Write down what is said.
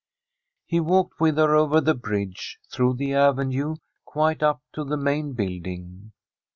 He walked with her over the bridge, through the avenue, quite up to the main building.